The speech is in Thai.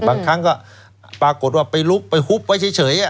บางครั้งก็ปรากฏว่าไปลุกไปฮุบไว้เฉย